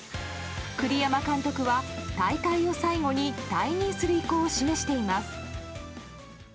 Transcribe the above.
栗山監督は、大会を最後に退任する意向を示しています。